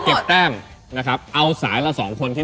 พี่มันดูแบบว่าน่ารักดี